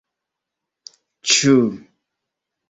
ĉu